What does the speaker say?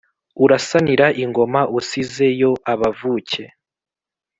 urasanira ingoma usize yo abavuke